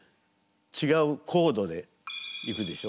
違うコードでいくでしょ。